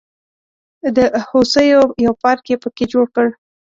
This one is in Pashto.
د هوسیو یو پارک یې په کې جوړ کړ.